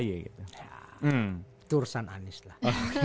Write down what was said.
ya tersan anies lah